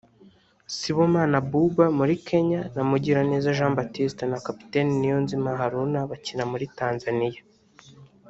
Sibomana Abuba muri Kenya na Mugiraneza Jean Baptiste na kapiteni Niyonzima Haruna bakina muri Tanzania